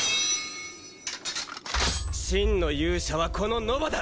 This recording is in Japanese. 真の勇者はこのノヴァだ！